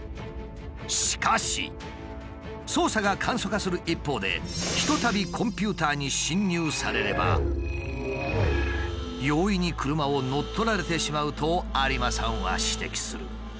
しかし操作が簡素化する一方でひとたびコンピューターに侵入されれば容易に車を乗っ取られてしまうと有馬さんは指摘する。